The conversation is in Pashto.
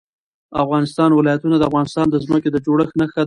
د افغانستان ولايتونه د افغانستان د ځمکې د جوړښت نښه ده.